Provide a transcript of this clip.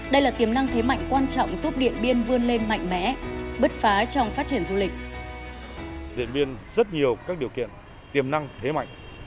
đây là tiềm năng thế mạnh quan trọng giúp điện biên vươn lên mạnh mẽ